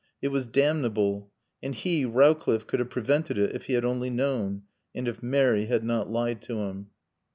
It was damnable. And he, Rowcliffe, could have prevented it if he had only known. And if Mary had not lied to him.